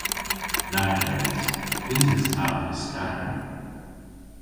Nag es. Nyns es ta pyskador.